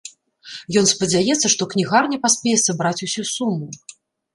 Ён спадзяецца, што кнігарня паспее сабраць усю суму.